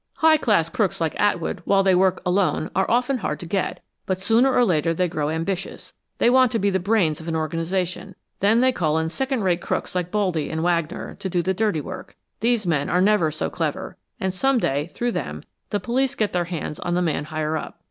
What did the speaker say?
"High class crooks like Atwood, while they work alone, are often hard to get, but sooner or later they grow ambitious. They want to be the brains of an organization. Then they call in second rate crooks like 'Baldy' and Wagner, to do the dirty work. These men are never so clever, and some day, through them, the police get their hands on the man higher up.